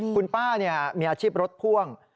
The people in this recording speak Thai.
คุณป้าเนี่ยมีอาชีพรถพ่วง